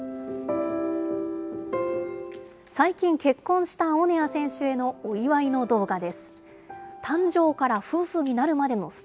最近、結婚したオネア選手へのお祝いの動画です。